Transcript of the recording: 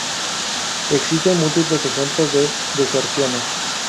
Existen múltiples ejemplos de deserciones.